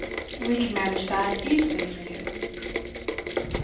"We can manage that easily for you."